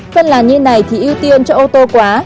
phân làn như này thì ưu tiên cho ô tô quá